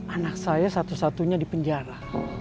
anak saya satu satunya di penjara